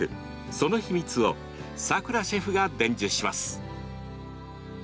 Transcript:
その秘密をさくらシェフが伝授します。